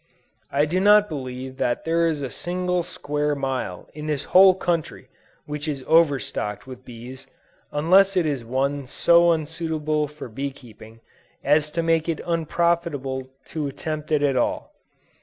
I do not believe that there is a single square mile in this whole country, which is overstocked with bees, unless it is one so unsuitable for bee keeping as to make it unprofitable to attempt it at all.